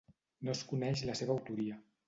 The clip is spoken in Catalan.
No es coneix la seva autoria.